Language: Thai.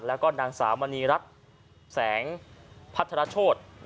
แล้วก็นางสาวมณีรัฐแสงพัทรโชธ